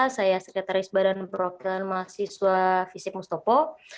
saya sekretaris badan program mahasiswa fisik mustafa